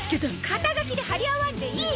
肩書で張り合わんでいい！